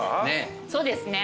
そうですね。